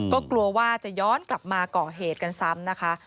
ก็กลัวว่าจะย้อนกลับมาก่อเหตุกันซ้ำนะคะ